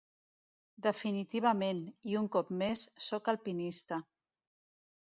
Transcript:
Definitivament, i un cop més, soc alpinista.